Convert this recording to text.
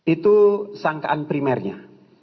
itu sangkaan primernya